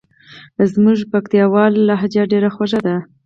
زموږ پکتیکاوالو لهجه ډېره خوژه ده.